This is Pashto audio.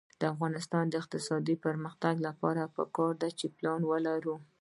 د افغانستان د اقتصادي پرمختګ لپاره پکار ده چې پلان ولرو.